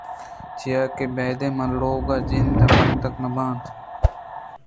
چیاکہ بیدئے من لوگ ءِ جند بندگ نہ بیت